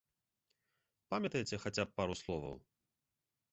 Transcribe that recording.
Памятаеце хаця б пару словаў?